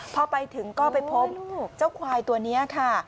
พอไปถึงก็ไปพบเจ้าควายตัวนี้ค่ะ